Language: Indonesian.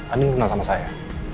andi kenal sama saya